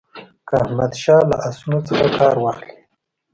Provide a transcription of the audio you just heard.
که احمدشاه له آسونو څخه کار واخلي.